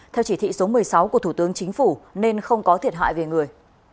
theo chỉ thị số một mươi sáu của thủ tướng chính phủ nên không có thiệt hại về người